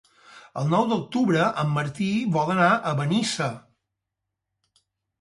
El nou d'octubre en Martí vol anar a Benissa.